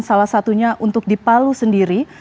salah satunya untuk di palu sendiri